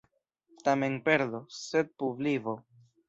Tamen perdo, sed pluvivo.